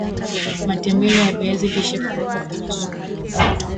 matembele ya viazi lishe kuwekwa kwenye supu